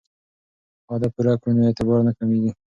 که وعده پوره کړو نو اعتبار نه کمیږي.